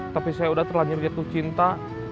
tapi saya udah terlanjur yaitu cinta